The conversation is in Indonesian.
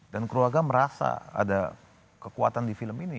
dan keluarga merasa ada kekuatan di film ini